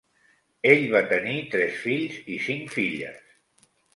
Ell va tenir tres fills i cinc filles.